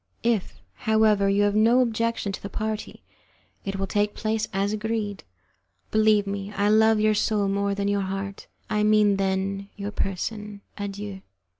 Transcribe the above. If, however, you have no objection to the party, it will take place as agreed. Believe me, I love your soul more than your heart I mean than your person. Adieu."